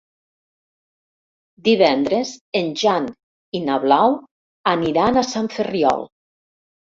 Divendres en Jan i na Blau aniran a Sant Ferriol.